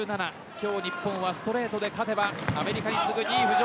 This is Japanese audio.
今日、日本はストレートで勝てばアメリカに次ぐ２位浮上。